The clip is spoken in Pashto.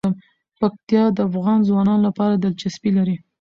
پکتیا د افغان ځوانانو لپاره دلچسپي لري.